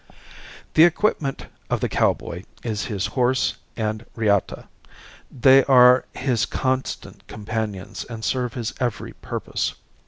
The equipment of the cowboy is his horse and reata. They are his constant companions and serve his every purpose.